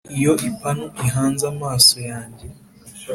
iyo ipanu ihanze amaso yanjye.